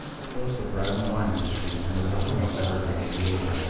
It boasts a thriving wine industry and is the home of Evergreen Aviation.